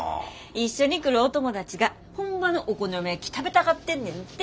一緒に来るお友達が本場のお好み焼き食べたがってんねんて。